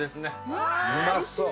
「うまそう！」